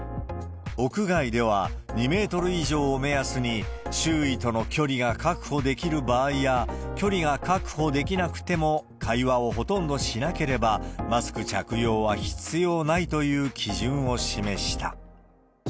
屋外では、２メートル以上を目安に、周囲との距離が確保できる場合や、距離が確保できなくても会話をほとんどしなければ、マスク着用は必要ないという基準を示した。